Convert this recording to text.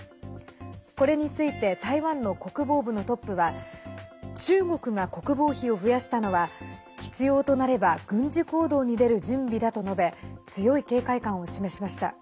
これについて台湾の国防部のトップは中国が国防費を増やしたのは必要となれば軍事行動に出る準備だと述べ強い警戒感を示しました。